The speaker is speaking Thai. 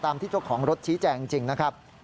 ที่เจ้าของรถชี้แจงจริงนะครับ